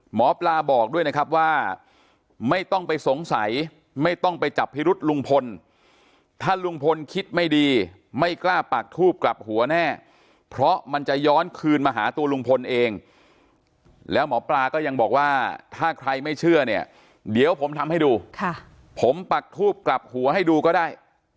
หมอปลาบอกด้วยนะครับว่าไม่ต้องไปสงสัยไม่ต้องไปจับพิรุษลุงพลถ้าลุงพลคิดไม่ดีไม่กล้าปักทูบกลับหัวแน่เพราะมันจะย้อนคืนมาหาตัวลุงพลเองแล้วหมอปลาก็ยังบอกว่าถ้าใครไม่เชื่อเนี่ยเดี๋ยวผมทำให้ดูผมปักทูบกลับหัวให้ดูก็ได้